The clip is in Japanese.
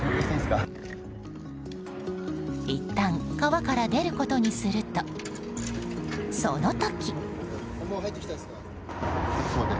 いったん川から出ることにすると、その時。